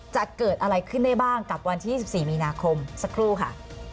จะเกิดอะไรขึ้นได้บ้างกับวันที่๒๔มีนาคมสักครู่ค่ะ